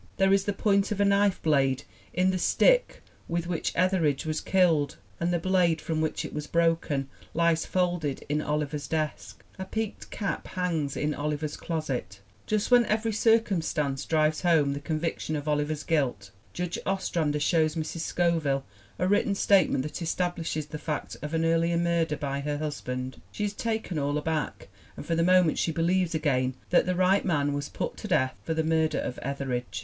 There is the point of a knife blade in the stick with which Etheridge was killed, and the blade from which it was broken lies folded in Oliver's desk. A peaked cap hangs in Oliver's closet! Just when every cir cumstance drives home the conviction of Oliver's guilt Judge Ostrander shows Mrs. Scoville a written state ment that establishes the fact of an earlier murder by her husband. She is taken all aback and for the moment she believes again that the right man was put to death for the murder of Etheridge.